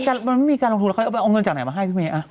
แล้วมันไม่มีการลงทุนเอาเงินจากไหนมาให้พี่เมฆ